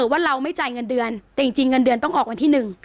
ว่าเราไม่จ่ายเงินเดือนแต่จริงเงินเดือนต้องออกวันที่๑